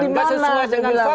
enggak sesuai dengan fakta itu